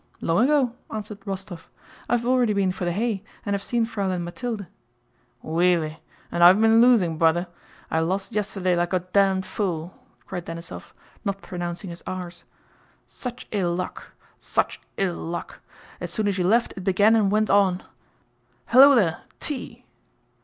"Long ago," answered Rostóv, "I have already been for the hay, and have seen Fräulein Mathilde." "Weally! And I've been losing, bwother. I lost yesterday like a damned fool!" cried Denísov, not pronouncing his r's. "Such ill luck! Such ill luck. As soon as you left, it began and went on. Hullo there! Tea!"